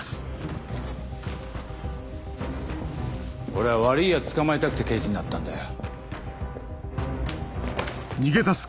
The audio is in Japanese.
俺は悪いヤツ捕まえたくて刑事になったんだよ。